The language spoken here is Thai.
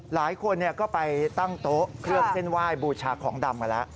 หลายคนก็ไปตั้งโต๊ะเครื่องเส้นไหว้บูชาของดำกันแล้ว